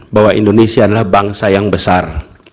bahwa indonesia adalah bangsa yang besar